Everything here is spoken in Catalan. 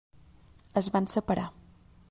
Es van separar.